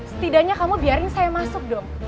setidaknya kamu biarin saya masuk dong